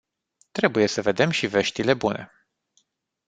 Trebuie să vedem și veștile bune.